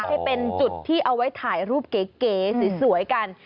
ให้เป็นจุดที่เอาไว้ถ่ายรูปเก๋สวยกัน